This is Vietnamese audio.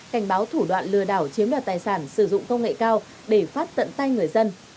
cảnh báo thủ đoạn lừa đảo chiếm đoạt tài sản sử dụng công nghệ cao để phát tận tay người dân